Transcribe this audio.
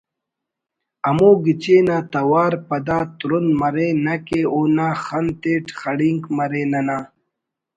ہمو گچین آ توار پدا ترند مرے نہ کہ اونا خن تیٹ خڑینک مرے ننا